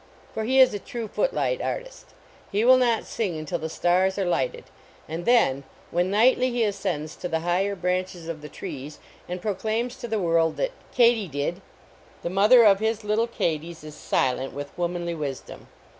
For he is a true foot light artist; he will not sing until the stars are lighted. And then, when nightly he ascends to the higher branches of the trees and proclaims to the world that "Katy did," the mother of his little katies is silent with womanly wis dom.